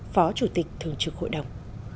phó chủ tịch thường trực hội đồng